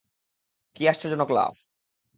কি আশ্চর্যজনক লাফ!